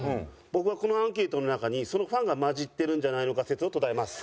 僕はこのアンケートの中にそのファンが交じってるんじゃないのか説を唱えます。